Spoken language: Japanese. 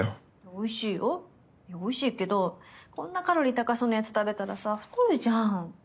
おいしいよいやおいしいけどこんなカロリー高そうなやつ食べたらさ太るじゃん。